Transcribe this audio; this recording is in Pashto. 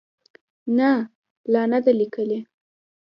نه، لا نه ده لیکلې